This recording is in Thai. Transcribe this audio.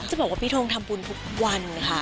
จะบอกว่าพี่ทงทำบุญทุกวันค่ะ